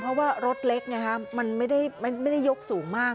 เพราะว่ารถเล็กมันไม่ได้ยกสูงมาก